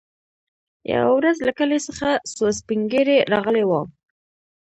يوه ورځ له کلي څخه څو سپين ږيري راغلي وو.